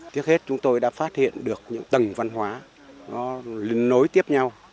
trước hết chúng tôi đã phát hiện được những tầng văn hóa nó nối tiếp nhau